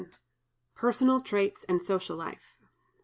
PERSONAL TRAITS AND SOCIAL LIFE.